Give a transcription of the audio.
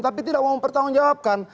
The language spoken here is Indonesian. tapi tidak mau mempertanggungjawabkan